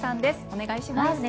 お願いします。